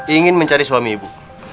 ingin mencari suami ibu